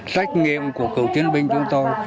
sách nghiệm của cựu chiến binh chúng tôi